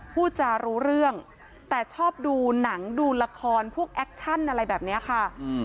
พูดจารู้เรื่องแต่ชอบดูหนังดูละครพวกแอคชั่นอะไรแบบนี้ค่ะ